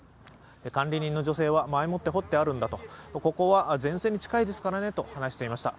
管理人の女性は前もって掘ってあるんだと、ここは前線に近いですからね、と話していました。